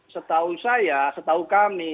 setau saya setau kami